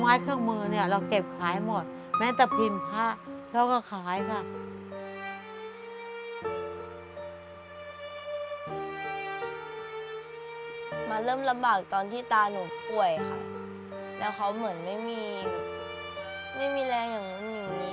มันเริ่มลำบากตอนที่ตาหนูป่วยค่ะแล้วเขาเหมือนไม่มีไม่มีแรงอย่างนู้นอย่างนี้